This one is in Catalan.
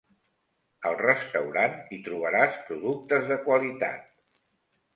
Al restaurant hi trobaràs productes de qualitat.